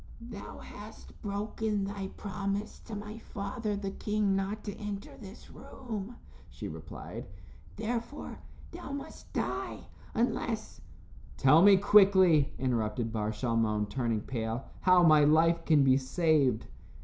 "Thou hast broken thy promise to my father, the king, not to enter this room," she replied. "Therefore, thou must die, unless " "Tell me quickly," interrupted Bar Shalmon, turning pale, "how my life can be saved."